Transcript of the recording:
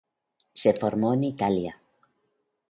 Se formó en Italia.